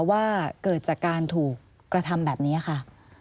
ว่าเกิดจากการถูกกระทำแบบนี้ค่ะ